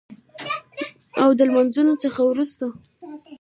او د لمونځ څخه وروسته